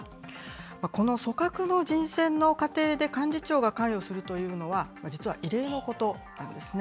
この組閣の人選の過程で幹事長が関与するというのは、実は異例のことなんですね。